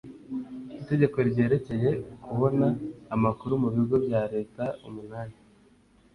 itegeko ryerekeye kubona amakuru mu bigo bya leta umunani